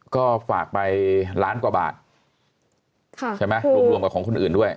ก็ฝากไปล้านกว่าบาทใช่ไหมรวมกับของคนอื่นด้วย